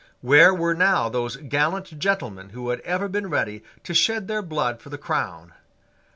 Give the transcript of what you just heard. Where were now those gallant gentlemen who had ever been ready to shed their blood for the crown?